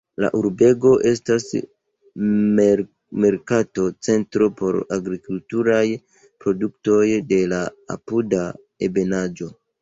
La urbego estas merkato-centro por agrikulturaj produktoj de la apuda ebenaĵo.